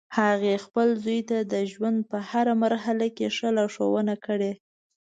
هغې خپل زوی ته د ژوند په هر مرحله کې ښه لارښوونه کړی